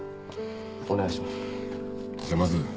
お願いします。